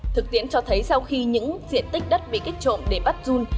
thực tiễn cho thấy sau khi những diện tích đất bị kích trộn để bắt dung